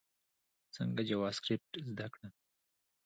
څنګه جاواسکريپټ زده کړم؟